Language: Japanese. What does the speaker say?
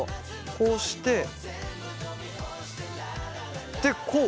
こうしてでこう？